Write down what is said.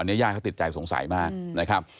อันนี้ย่าเขาติดใจสงสัยมากนะครับ